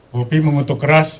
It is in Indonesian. bopi mengutuk keras